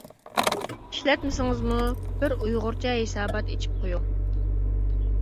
ئىشلەتمىسىڭىزمۇ، بىر ئۇيغۇرچە ھېسابات ئېچىپ قويۇڭ.